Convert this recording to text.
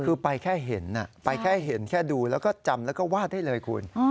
คือไปแค่เห็นแค่ดูแล้วก็จำแล้วก็วาดได้เลยคุณ